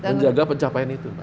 menjaga pencapaian itu